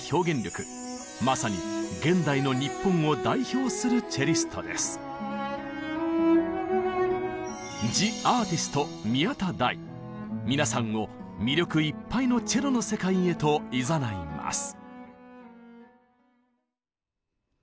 まさに現代の皆さんを魅力いっぱいのチェロの世界へといざないます。